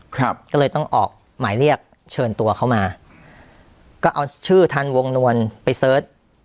ครับก็เลยต้องออกหมายเรียกเชิญตัวเข้ามาก็เอาชื่อทันวงนวลไปเสิร์ช